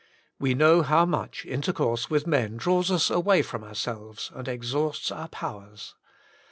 We know how much inter course with men draws us away from ourselves and exhausts our powers.